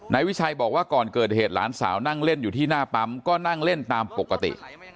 นายวิชัยบอกว่าก่อนเกิดเหตุหลานสาวนั่งเล่นอยู่ที่หน้าปั๊มก็นั่งเล่นตามปกติ